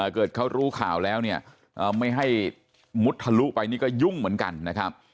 เกิดเขารู้ข่าวแล้วเนี่ยไม่ให้มุดทะลุไปนี่ก็ยุ่งเหมือนกันนะครับ